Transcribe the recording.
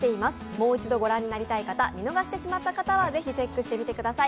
もう一度、ご覧になりたい方見逃してしまった方はぜひチェックしてみてください。